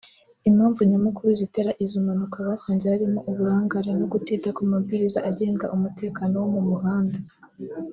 Impamvu Nyamukuru zitera izo mpanuka basanze harimo uburangare no kutita ku mabwiriza agenga umutekano wo mu muhanda